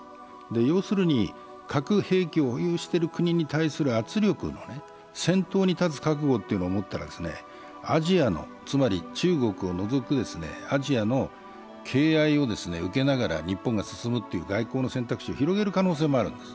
要するに核兵器を保有している国に対する圧力を、先頭に立つ覚悟を持ったらアジアの、つまり中国を除くアジアの敬愛を受けながら日本が進むという外交の選択肢を広げる可能性もあるんです。